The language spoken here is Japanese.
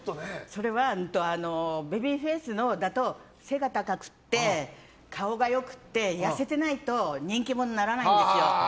それは、ベビーフェイスだと背が高くて、顔が良くて痩せてないと人気者にならないんですよ。